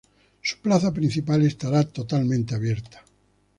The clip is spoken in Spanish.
Su plaza principal estará totalmente abierta.